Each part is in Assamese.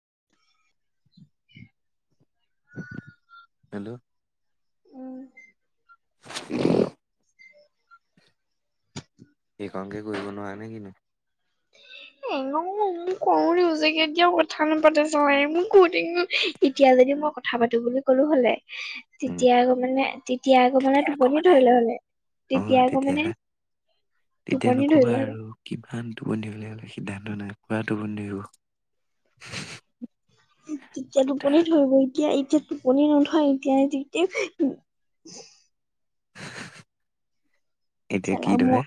[inaudible] হেল্ল' উ [inaudible] সেইখনকে কৰিব নোৱাৰনে কিনো? এ ন মোৰ খং উঠি গৈছেগৈ এতিয়া কথা নাপাতে মোক কতে এতিয়া যদি মই কথা পাতো বুলি কলো হলে উম তেতিয়া আকৌ মানে এতিয়া আকৌ মানে টোপনি অকমানে ধৰিলে হলে তেতিয়া আকৌ মানে টোপনি ধৰিলে হলে বন্ধ হলে সিদ্ধান্ত নাই খোৱাটো বন্ধে হব কেতিয়া টোপনি ধৰিব এতিয়া এতিয়া টোপনি নধয় এতিয়া যেতিয়া এতিয়া কি চালা ম ধৰে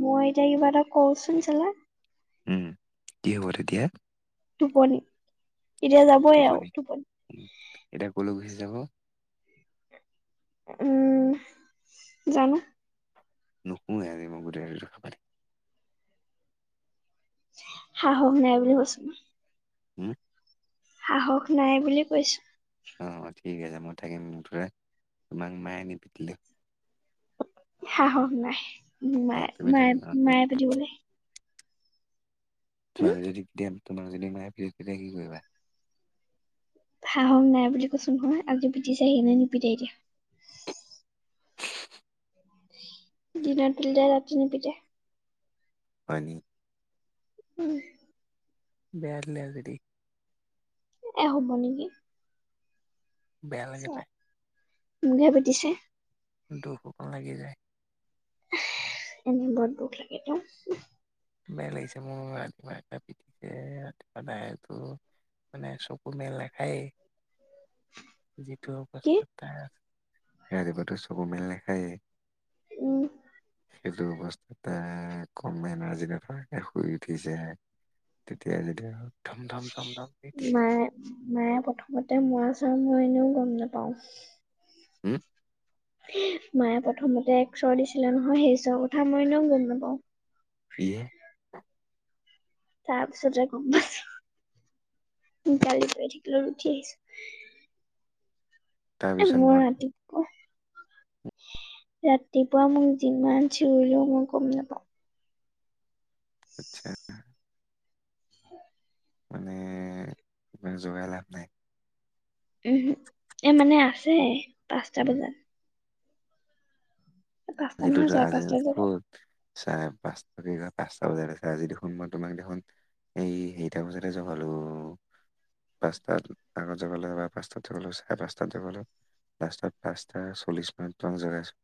মই এতিয়া কিবা এটা কওঁচোন চেলা উম কি হব তেতিয়া টোপনি এতিয়া যাবই আও টোপনি এতিয়া কলৈ গুছি যাব উম জানো নুশুৱে আজি মই গোটেই ৰাতিটো হ'ব দে সাহস নাই বুলি কৈছো উম সাহস নাই বুলি কৈছো অ ঠিক আছে মই থাকিম মুঠতে তোমাক মায়ে আনি পিটিলো সাহস নাই মো অ মায়ে তুমি মায়ে থাকিবা অ তুমি মায়ে পিতিবলে তোমাক যদি পিটেম তোমাক যদি মায়ে পিটে কি কৰিবা সাহক নাই বুলি কৈছোন নহয় আজি পিটিছে আহি, নাই নিপিটে এতিয়া দিনৰ পিটিলে ৰাতি নিপিতে হয় নি উম বেয়া দিলে আজি দেই এ, হ'ব নেকি। বেয়া লাগে পায়। মোকহে পিটিছে দুখ অকণ লাগি যায় এনে বৰ দুখ লাগে তেওঁৰ বেয়া লাগিছে মোৰ ৰাতিপুৱা, ৰাতিপুৱাই পিটিছে ৰাতিপুৱা [unintelligible] মানে চকু মেল নেখায়ে যিটো কি অৱস্থাত তাই আছে ৰাতিপুৱাটো চকু মেল নেখায়েই উম। সেইটো অৱস্থাত তাই, কম [unintelligible] দিনত শুৱাকে শুই উঠিছেহে, তেতিয়াই, যেতিয়াই আৰু মায়ে, মায়ে প্ৰথমতে মৰা-চৰা মই এনেও গম নাপাওঁ। [inaudible] মায়ে প্ৰথমতে এক চৰ দিছিলে নহয় সেই চৰ কথা মই এনেও গম নাপাওঁ। ইয়ে তাৰপিছত হে গম পাইছোঁ, গালি পাৰি থাকিলত উঠি আহিছোঁ। এ, তাৰপিছত মোৰ মই ৰাতিপুৱা ৰাতিপুৱা মোক যিমান চিঞৰিলেও মই গম নেপাওঁ। আচ্ছা মানে ইমান জোগাই লাভ নাই, উম এ মানে আছে, পাঁচটা বজাত, পাঁচটা নহয় চাৰে আজি পাঁচটা আজ বজাত। খত চ কি ক পাঁচটা বজাত আছে আজি দেখোন মই তোমাক দেখোন এই সেইটা বজাতে জগালোঁ পাঁচটাত আগতগালোঁ বা পাঁচটাতগালোঁ চাৰে পাঁচটাতগালোঁ লাষ্টত পাঁচটা চল্লিছ মিনট তোমাক জগাইছোঁ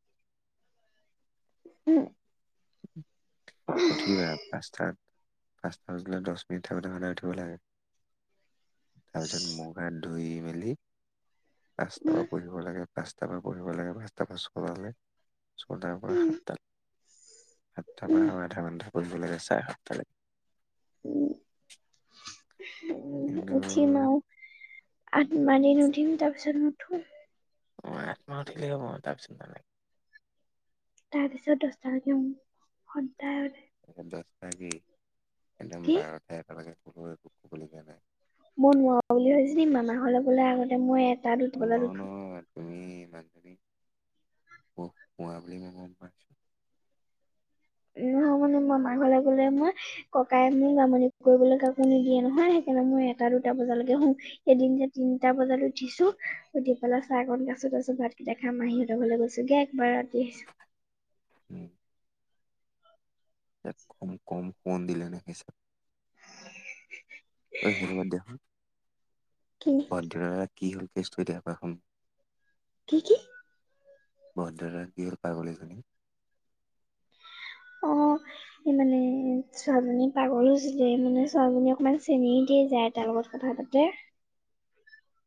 উঠিবা পাঁচাত পাঁচ উঠ দহ মিনিট থাকোতে সদায় উঠিব লাগে তাৰপিছত মু গাত ধুই মেলি পাঁচটা পৰা পঢ়িব লাগে পাঁচট পঢ়িব লাগে পাঁচটাাৰলে ছটাৰ পৰা সাতটে সাতটাৰ পৰা আধা ঘন্টা ফজব লাগে চাৰে সাতট লৈে কিন্তু উঠিম আউ আ মানি নুঠিম তাৰ পিছত নুঠো অ আ মাহঠিক হ ম তাৰ চিন্তা নাই তাৰ পিছত দশটালৈকে সু সদায় সদায় দহ কি একদম কি বাৰতে এালকে মই নোৱাৰো বুলি ভাবছ মামাহলৈ বোলে আগতে মই দুটা ন বজাত ন উঠো। তুমি আল ম মম উহ মানে মই মাৰ ঘৰলৈ গলে মই ককাই মোৰ বামনি কৰিবলৈ কাকো নিদিয়ে নহয় সেইকাৰণে মই এটা দুটা বজালৈকে হোম এদিন যে তিনিটা বজাত উঠিছো উঠি পেলাই চাহকণ কাছত তাছত ভাতকেইটা খাম মাহ সিহঁতৰ ঘৰলে গৈছোগে একবাৰ [inaudible] ইয়াত অকমান কম সণ দিলে নেকি চাত অ' সেইটো বাদ দিয়া কি [inaudible] বদধৰা কি হ'ল? [unintelligible] কি - কি? বদধৰা কিয় পাগলীজনী? অ' এই মানে ছোৱালীজনী পাগল হৈছিলে। মানে ছোৱালীজনী অকমান চেনী দিয়ে যাই তাৰ লগত কথা পাতে।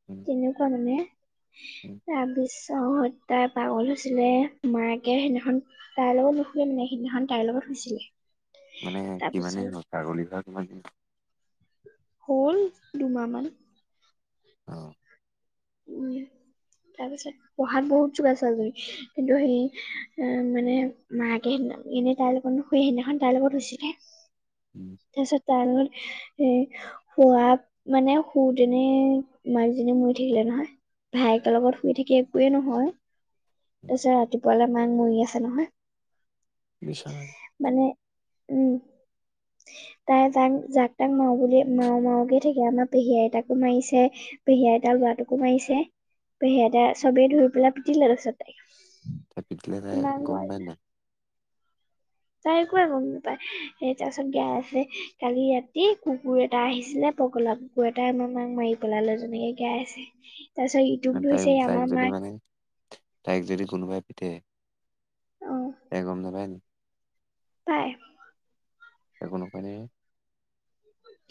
উম তেনেকুৱা মানে। উম তাবিছ তহত তাই পাগল হৈছিলে। মাকে সেইদিনাখন তাইৰ লগত নুশুৱে মানে, সেইদিনাখন তাইৰ লগত শুইছিলে। মানে কিমান তাৰপিছত দিন হ'ল? পাগলী হোৱা কিমান দিন হ'ল দুমাহ মান। অ'। উম। তাৰপিছত পঢ়াত বহুত চোকা ছোৱালীজনী। কিন্তু সেই অ'- মানে মাকে সেইদিনা- এনেই তাইৰ লগত নুশুৱে, সেইদিনাখন তাইৰ লগত শুইছিলে। উম তাৰপিছত তাৰ লগত এ- শুৱ মানে শুজনে মাকজনী মৰি থাকিলে নহয়। ভায়েকৰ লগত শুই থাকি একোৱেই নহয়। উম তাৰ পিছত ৰাতি পলা মাক মৰি আছে নহয়। বিছনা। মানে উম। তাই যাক যাক তাক মাও বুলি মাও মাওকে থাকে আমাৰ পেহী আইতাকো মাৰিছে পেহী আইতাৰ লৰাটোকো মাৰিছে পেহী আইত চবেই ধুই পেলাই পিতিলে তাৰছত তাই ত পিতলে নাই গম পাই নাই? তাই একোৱে গম নাপায় স তাৰপিছত গাই আছে কালি ৰাতি কুকুৰ এটা আহিছিলে পগলা কুকুৰ এটা আমাৰ মাক মাৰি পেলালে তেনেকে গাই আছে। তাৰ পিছত তাই ইউটব তাইক হৈছে তাইক আমাৰ যদি মাৰ মানে তাইক যদি কোনোবাই পিটে। একো গম নাই ন? পায়। একো নকয়নে?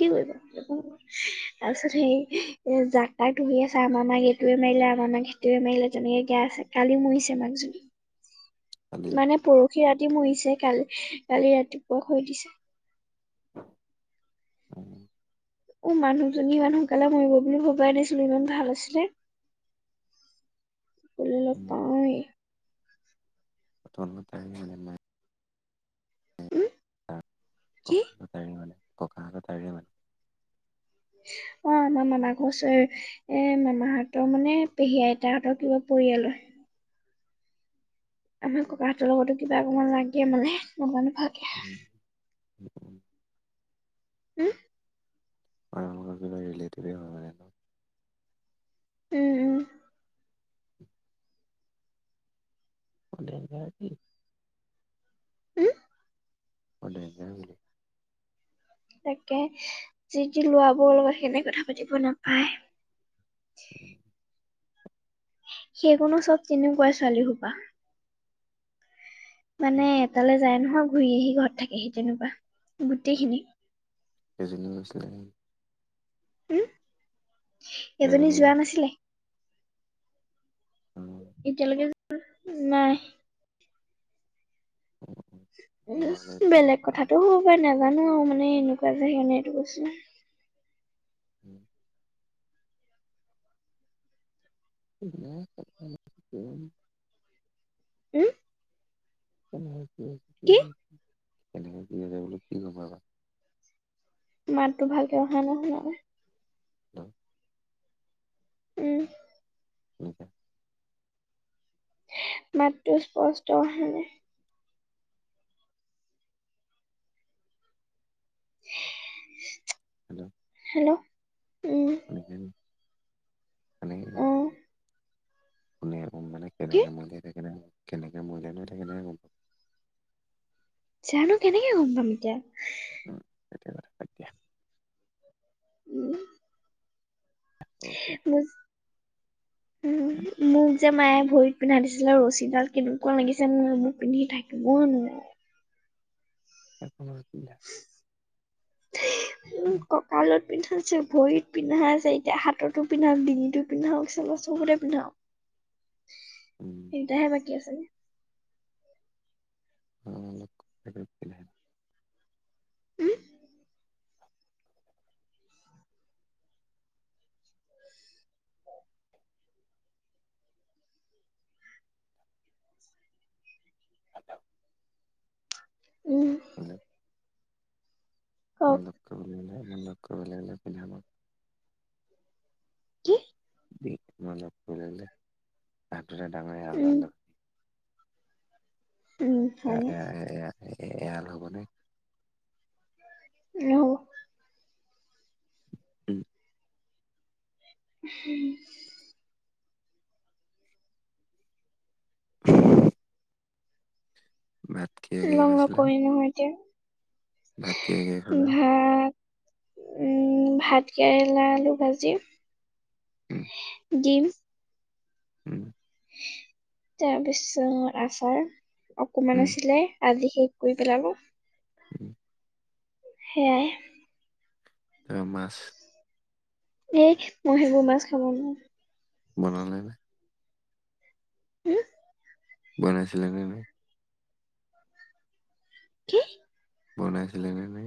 কি কৰিব একো নকয়, তাৰপিছত হেৰি এ জাক-তাক ধৰি আছে, আমাৰ মাক এইটোৱে মাৰিলে, আমাৰ মাক সেইটোৱে মাৰিলে, তেনেকে ক্যা আছে! কালি মৰিছে মাকজনী। কালি মানে পৰ পৰসি ৰাতি মৰিছে, [unintelligible] কালি ৰাতিপুৱা খৰি দিছে। উম। অ', মানুহজনী ইমান সোনকালে মৰিব বুলি ভবাই নাছিলোঁ, ইমান ভাল আছিলে। গ'লে লগ উম পাওঁৱেই। তহঁতৰ তাৰে [unintelligible] নাই। উম তাৰ কি ককায়েক মানে। ককাহঁতৰ তাৰে মানে। অ', আমাৰ মামা ঘৰ ওচৰৰে। এ মামাহঁতৰ মানে পেহী আইতাহঁতৰ কিবা পৰিয়ালৰ। আমাৰ ককাহঁতৰ লগতো কিবা অকমান লাগে মানে মই [unintelligible] উম। উম উম। ককাহঁতৰ [unintelligible] কিবা ৰিলেতিভেই হয় মানে ন'? উম, উম। বৰ ডেঞ্জাৰ দেই। উম মই ডেঞ্জাৰে বোলোঁ। তাকে, জি-তি ল'ৰাবোৰৰ লগত সেইকাৰণে কথা পাতিব নাপায়। সেইকণৰো চব তেনেকুৱাই ছোৱালী হোপা। মানে এটালৈ যায় নহয় ঘূৰিহি ঘৰত থাকেহি তেনেকুৱা গোটেইখিনি [unintelligible] উম এজনী কেইজনী যোৱা নাছিলে। উম। এতিয়ালৈকে য নাই বেলেগ কথাতটো হ'ব ন জানো আৰু মানে এনেকুৱা যে হেৰী হয় কাৰণে এইটো কৈছো উম। [inaudible] উম উম কি উম উম তেনেকা কি বনাবলৈ কি নাথাকা মাতটো ভালাকে অহা নাই শুনা নাই অ উম শুনিচা মাতটো স্পষ্ট অহা নাই উ [unintelligible] হেল্ল' হেল্ল' শুনিছানে অ'। শুনা নাই নিকি কি যানো কেনেকে মৰিলে মই এতিয়া কেনেকে গম পাম জানো কেনেকে গম পাম এতিয়া এইবোৰ কথা বাট দিয়া উম আকৌ এতিয়া উ মোক যে মায়ে ভৰিত পিন্ধাই দিছিলে ৰছীডাল কেনেকুৱা লাগিছে নয় মোক পিন্ধি থাকিবই নোৱাৰো নাই পিন্ধা উম কঁকালত পিন্ধিছো ভৰিত পিন্ধাই আছে এতিয়া হাততো পিন্ধাওক ডিঙিটো পিন্ধাওক চব চবুতে পিন্ধক উম হিনতহে বা কী আছে অ লক হেইবোৰ পিন্ধাই উম, উম, হেল্ল কওক অনক [unintelligible] কৰি লাগিলে পিন্ধাব কি অ [unintelligible] এতিয়া ডাঙৰে হাল্ল উম, নক উম [unintelligible] এ এ আল হ'বনে ন উম উম [unintelligible] ভাত কিহে কিহে ইমান খাইছিলা আকৰী নহয় যে ভাত কিহে কিহে খালা উম ভাত কেৰেলা আলু ভাজি উম। গেম উম। তাৰপিছত আচাৰ অকমান উম আছিলে আজি শেষ কৰি পেলাব। উম সেয়াই। অ' মাছ এ মই সেইবোৰ মাছ খাব নোৱাৰো। বনালে নে? হম? বনাইছিলে নে নাই? কি? বনাইছিলে নে?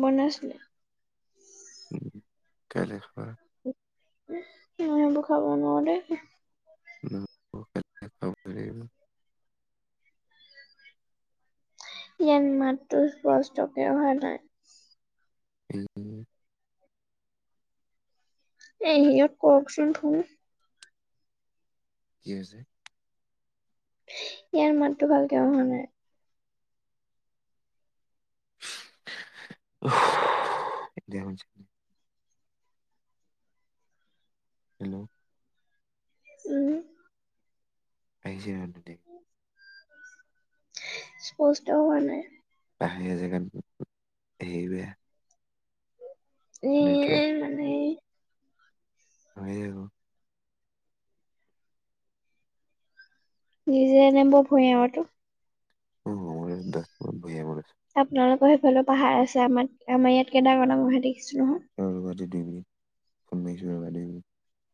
বনাইছিলে। উম কাইলৈ খাবা। উম সেইবোৰ খাব নোৱাৰো দে। [inaudible] ইয়াত মাতটো স্পষ্টকে অহা নাই। উম। এই য়াক কওকচোন ধুও কি হৈছে? ইয়াৰ মাতটো ভালকে অহা নাই। [inaudible] হেল্ল' উম। [unintelligible] স্পষ্ট হোৱা নাই। কাহি [unintelligible] সেইবাবে উম এ মানে [inaudible] নিজে এনে বৰ ভয়াতুৰ। [unintelligible] ইফালৰ পাহাৰ আছে আমাৰ আমাৰ ইয়াত [unintelligible] দেখিছিলো। [unintelligible]